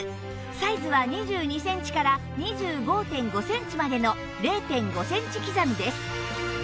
サイズは２２センチから ２５．５ センチまでの ０．５ センチ刻みです